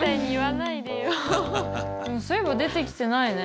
そういえば出てきてないね。